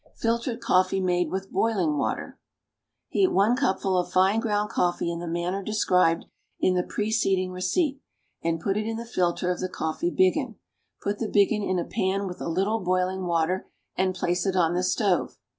FILTERED COFFEE MADE WITH BOILING WATER. Heat one cupful of fine ground coffee in the manner described in the preceding receipt, and put it in the filter of the coffee biggin. Put the biggin in a pan with a little boiling water, and place it on the stove.